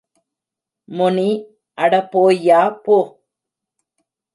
முனி அட போய்யா போ.